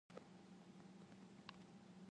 Tom, taruh mangkuk itu di dalam microwave.